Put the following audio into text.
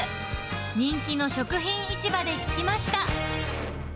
人気の食品市場で聞きました。